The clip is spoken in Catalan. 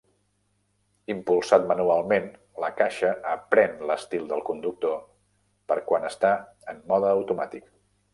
Impulsat manualment, la caixa "aprèn" l'estil del conductor per quan està en mode automàtic.